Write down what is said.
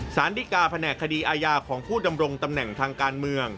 สารดิกาแผนกคดีอาญาของผู้ดำรงตำแหน่งทางการเมือง